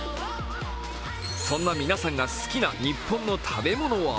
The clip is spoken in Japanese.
そんな皆さんが好きな日本の食べ物は？